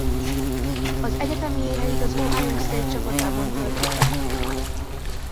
Az egyetemi éveit az Ohio State csapatában töltötte.